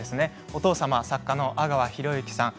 お父様は作家の阿川弘之さん